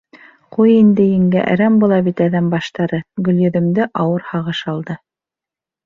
— Ҡуй инде, еңгә, әрәм була бит әҙәм баштары, — Гөлйөҙөмдө ауыр һағыш алды.